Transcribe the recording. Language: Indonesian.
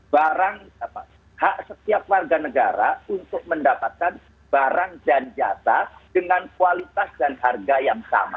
barang hak setiap warga negara untuk mendapatkan barang dan jasa dengan kualitas dan harga yang sama